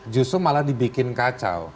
justru malah dibikin kacau